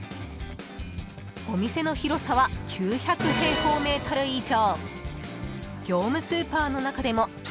［お店の広さは９００平方メートル以上］